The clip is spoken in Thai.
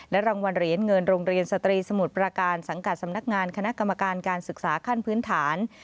รางวัลเหรียญเงินโรงเรียนสตรีสมุทรประการสังกัดสำนักงานคณะกรรมการการศึกษาขั้นพื้นฐาน